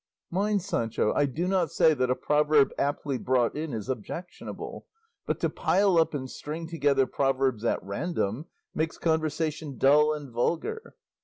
Mind, Sancho, I do not say that a proverb aptly brought in is objectionable; but to pile up and string together proverbs at random makes conversation dull and vulgar.